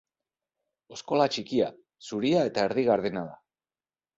Oskola txikia, zuria eta erdi gardena da.